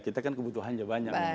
kita kan kebutuhannya banyak